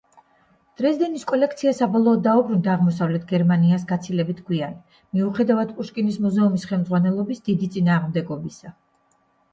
დრეზდენის კოლექცია საბოლოოდ დაუბრუნდა აღმოსავლეთ გერმანიას გაცილებით გვიან, მიუხედავად პუშკინის მუზეუმის ხელმძღვანელობის დიდი წინააღმდეგობისა.